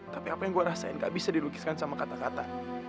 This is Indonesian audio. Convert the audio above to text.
tapi apa yang gue rasain gak bisa dilukiskan sama kata kata